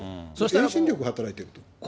求心力が働いていると。